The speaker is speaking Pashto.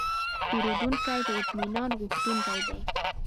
پیرودونکی د اطمینان غوښتونکی دی.